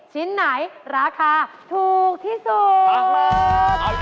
ชิ้นไหนราคาถูกที่สุดมากมาก